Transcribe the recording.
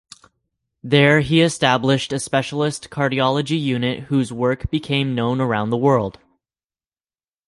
There he established a specialist cardiology unit whose work became known around the world.